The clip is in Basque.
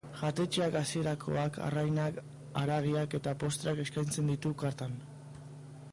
Jatetxeak hasierakoak, arrainak, haragiak eta postreak eskaintzen ditu kartan.